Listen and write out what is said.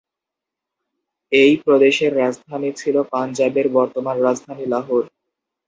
এই প্রদেশের রাজধানী ছিল পাঞ্জাবের বর্তমান রাজধানী লাহোর।